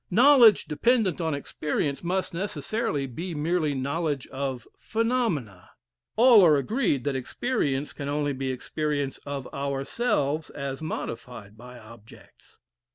Knowledge dependent on experience must necessarily be merely knowledge of phenomena. All are agreed that experience can only be experience of ourselves as modified by objects.